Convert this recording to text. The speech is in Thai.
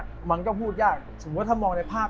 สมมุติว่าสมมุติบันไดแล้ว